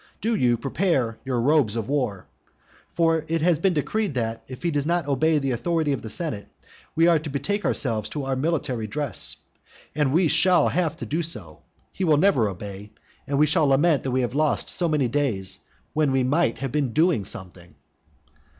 Do you prepare your robes of war. For it has been decreed, that, if he does not obey the authority of the senate, we are all to betake our selves to our military dress. And we shall have to do so. He will never obey. And we shall lament that we have lost so many days, when we might have been doing something.